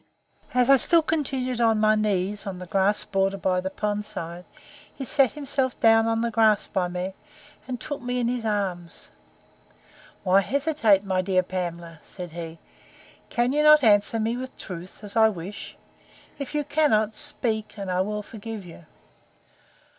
As I still continued on my knees, on the grass border by the pond side, he sat himself down on the grass by me, and took me in his arms: Why hesitates my Pamela? said he.—Can you not answer me with truth, as I wish? If you cannot, speak, and I will forgive you.